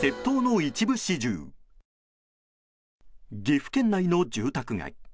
岐阜県内の住宅街。